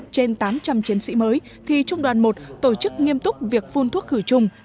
trên tám trăm linh chiến sĩ mới thì trung đoàn một tổ chức nghiêm túc việc phun thuốc khử trùng